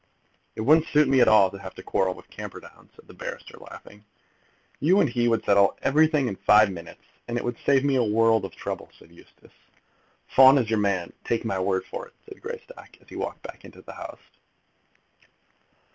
"It wouldn't suit me at all to have to quarrel with Camperdown," said the barrister, laughing. "You and he would settle everything in five minutes, and it would save me a world of trouble," said Eustace. "Fawn is your man; take my word for it," said Greystock, as he walked back into the House.